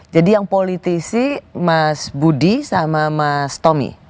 jadi yang politisi mas budi sama mas tommy